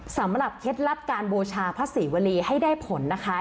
เคล็ดลับการบูชาพระศรีวรีให้ได้ผลนะคะ